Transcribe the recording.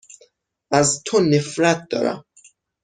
از تو نفرت دارم.